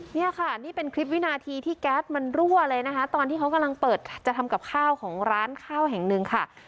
เนี่ยค่ะนี่เป็นคลิปวินาทีที่แก๊สมันรั่วเลยนะคะตอนที่เขากำลังเปิดจะทำกับข้าวของร้านข้าวแห่งหนึ่งค่ะ